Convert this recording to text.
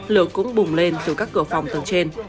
lửa cũng bùng lên từ các cửa phòng tầng trên